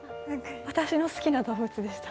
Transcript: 私の好きな動物でした。